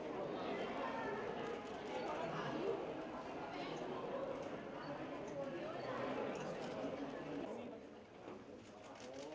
สวัสดีครับ